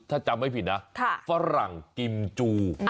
ถ้าจำไม่ผิดนะฝรั่งกิมจู